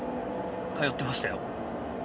通ってましたよ。